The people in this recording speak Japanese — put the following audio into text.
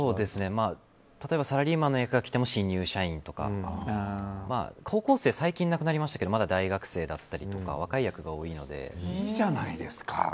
サラリーマンの役が来ても新入社員とか高校生は最近なくなりましたけどまだ大学生だったりいいじゃないですか。